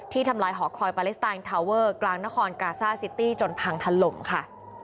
ทำลายหอคอยปาเลสไตนทาวเวอร์กลางนครกาซ่าซิตี้จนพังถล่มค่ะ